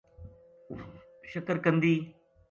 شکر قندی